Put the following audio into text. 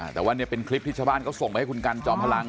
แต่ว่าเนี่ยเป็นคลิปที่ชาวบ้านเขาส่งไปให้คุณกันจอมพลัง